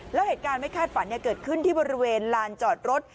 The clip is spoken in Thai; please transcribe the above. แล้วเหตุการณ์ไม่คาดฝันเกิดขึ้นที่บริเวณลานจอดรถ